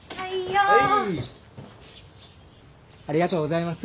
ありがとうございます。